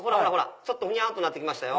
ちょっとふにゃっとなって来ましたよ。